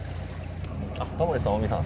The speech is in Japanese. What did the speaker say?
タモリさん近江さん